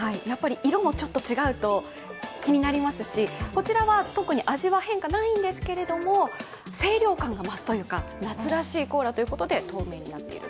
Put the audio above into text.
色もちょっと違うと気になりますし、こちらは特に味は変化ないんですけれども清涼感が増すというか夏らしいコーラということです。